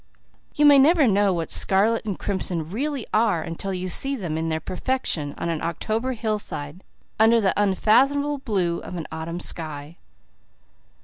You may never know what scarlet and crimson really are until you see them in their perfection on an October hillside, under the unfathomable blue of an autumn sky.